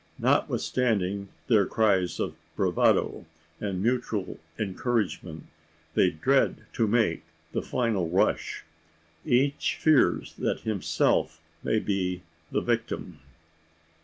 Notwithstanding their cries of bravado, and mutual encouragement, they dread to make the final rush. Each fears that himself may be the victim!